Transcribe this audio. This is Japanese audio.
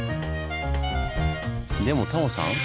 でもタモさん